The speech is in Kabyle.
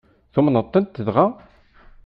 Tumneḍ-tent dɣa?